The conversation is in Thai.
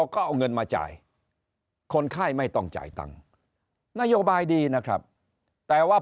ก็เอาเงินมาจ่ายคนไข้ไม่ต้องจ่ายตังค์นโยบายดีนะครับแต่ว่า